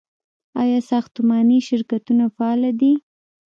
آیا ساختماني شرکتونه فعال دي؟